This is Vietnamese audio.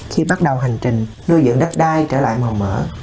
khi bắt đầu hành trình nuôi dưỡng đất đai trở lại màu mỡ